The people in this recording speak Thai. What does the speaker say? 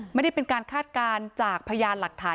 ไม่ได้เป็นการคาดการณ์จากพยานหลักฐาน